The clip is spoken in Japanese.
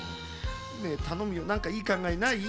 ねえたのむよなんかいいかんがえない？